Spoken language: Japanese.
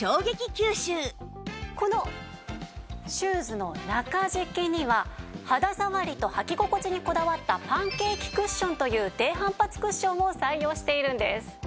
このシューズの中敷きには肌触りと履き心地にこだわったパンケーキクッションという低反発クッションを採用しているんです。